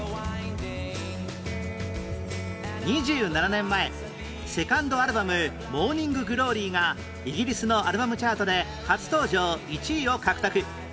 ２７年前セカンドアルバム『モーニング・グローリー』がイギリスのアルバムチャートで初登場１位を獲得